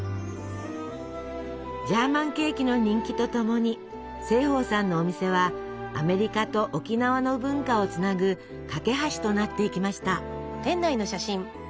ジャーマンケーキの人気とともに盛保さんのお店はアメリカと沖縄の文化をつなぐ架け橋となっていきました。